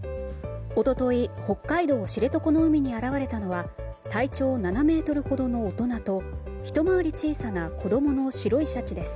一昨日、北海道知床の海に現れたのは体長７ｍほどの大人とひと回り小さな子供の白いシャチです。